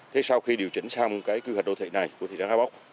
thế sau khi điều chỉnh sang cái quy hoạch đô thị này của thị trấn eapop